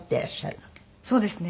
そうですね。